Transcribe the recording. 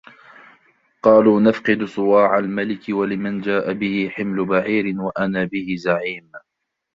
قَالُوا نَفْقِدُ صُوَاعَ الْمَلِكِ وَلِمَنْ جَاءَ بِهِ حِمْلُ بَعِيرٍ وَأَنَا بِهِ زَعِيمٌ